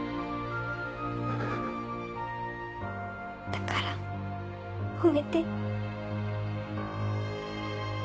だから褒めて。